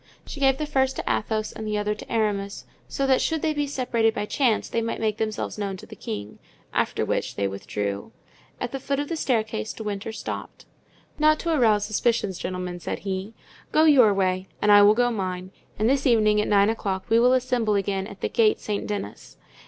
She gave the first to Athos and the other to Aramis, so that should they be separated by chance they might make themselves known to the king; after which they withdrew. At the foot of the staircase De Winter stopped. "Not to arouse suspicions, gentlemen," said he, "go your way and I will go mine, and this evening at nine o'clock we will assemble again at the Gate Saint Denis.